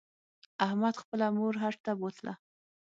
احمد خپله مور حج ته بوتله.